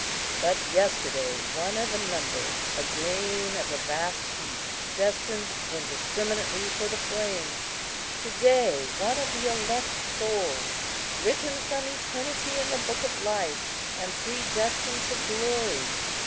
But yesterday one of a number, a grain of a vast heap, destined indiscriminately for the flame; to day one of the elect souls, written from eternity in the book of life, and predestined to glory.